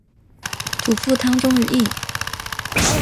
祖父汤宗义。